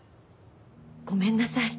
ごめんなさい。